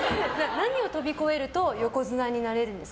何を飛び越えると横綱になれるんですか。